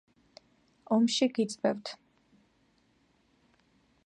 ომში გიწვევთ